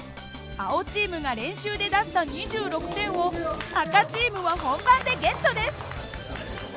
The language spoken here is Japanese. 青チームが練習で出した２６点を赤チームは本番でゲットです。